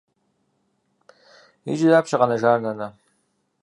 Иджы дапщэ къэнэжар, нанэ?